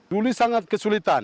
dulu sangat kesulitan